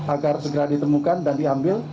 agar segera ditemukan dan diambil